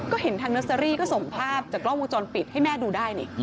ก็เห็นทางเนอร์เซอรี่ก็ส่งภาพจากกล้องวงจรปิดให้แม่ดูได้นี่